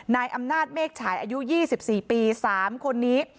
นายอำนาจเมฆฉายอายุ๒๔ปี๓คนนี้